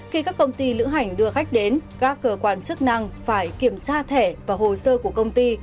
khi các công ty lữ hành đưa khách đến các cơ quan chức năng phải kiểm tra thẻ và hồ sơ của công ty